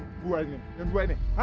lo mau bebasin ke temen gue ini